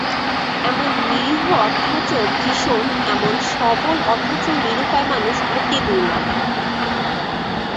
এমন নিরীহ অথচ ভীষণ, এমন সবল অথচ নিরুপায় মানুষ অতি দুর্লভ।